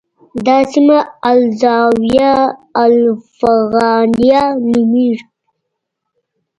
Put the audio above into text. دا سیمه الزاویة الافغانیه نومېږي.